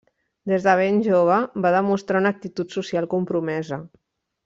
Des de ben jove va demostrar una actitud social compromesa.